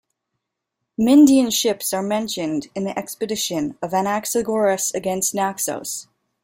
Myndian ships are mentioned in the expedition of Anaxagoras against Naxos.